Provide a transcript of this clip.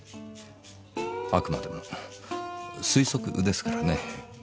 あくまでも推測ですからね。